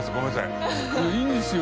いやいいんですよ。